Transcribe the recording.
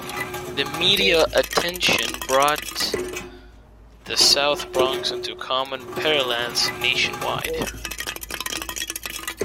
The media attention brought the South Bronx into common parlance nationwide.